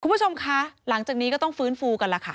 คุณผู้ชมคะหลังจากนี้ก็ต้องฟื้นฟูกันล่ะค่ะ